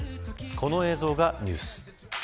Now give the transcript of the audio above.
この映像がニュース。